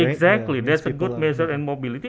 tepat sekali itu adalah peringkat yang baik untuk mobilitas